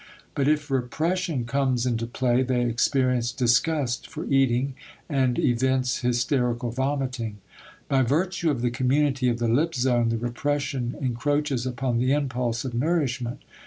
But if repression comes into play they experience disgust for eating and evince hysterical vomiting. By virtue of the community of the lip zone the repression encroaches upon the impulse of nourishment.